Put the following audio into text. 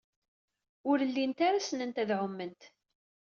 Ur llint ara ssnen ad ɛument.